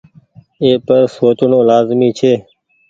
اي پر سوچڻو لآزمي ڇي۔